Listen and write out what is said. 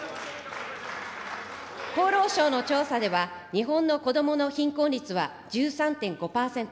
厚労省の調査では、日本の子どもの貧困率は１３．５％。